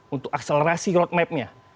untuk akselerasi roadmapnya